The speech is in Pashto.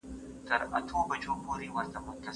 د ساینسي مضامینو لپاره نوي کتابونه څنګه چمتو کیږي؟